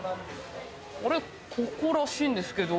ここらしいんですけど。